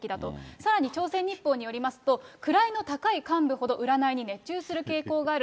さらに朝鮮日報によりますと、位の高い幹部ほど占いに熱中する可能性がある。